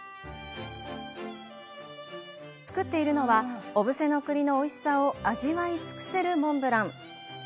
作っているのは小布施の栗のおいしさを味わい尽くせるモンブラン。